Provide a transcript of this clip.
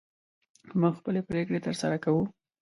موږ خپلې پرېکړې تر سره کوو.